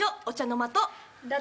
お茶の間と。